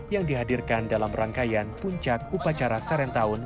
yang dihadirkan dalam rangkaian puncak upacara serentahun